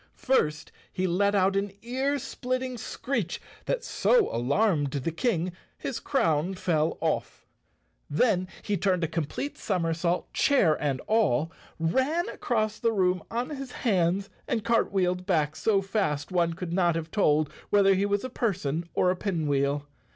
First he let out an ear splitting screech that so alarmed the King his crown fell off. Then he turned a complete somersault, chair and all, ran across the room on his hands and cartwheeled back so fast one could not have told whether he was a per¬ son or a pin wheel.